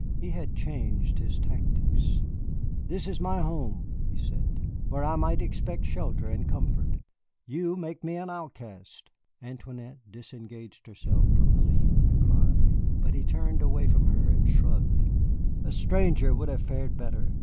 He had changed his tactics. "This is my home," he said, "where I might expect shelter and comfort. You make me an outcast." Antoinette disengaged herself from Hélène with a cry, but he turned away from her and shrugged. "A stranger would have fared better.